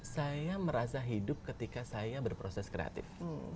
saya merasa hidup ketika saya berproses kreatif